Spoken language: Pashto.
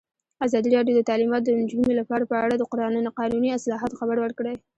ازادي راډیو د تعلیمات د نجونو لپاره په اړه د قانوني اصلاحاتو خبر ورکړی.